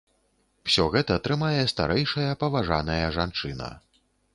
Усё гэта трымае старэйшая паважаная жанчына.